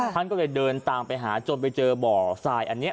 ท่านก็เลยเดินตามไปหาจนไปเจอบ่อทรายอันนี้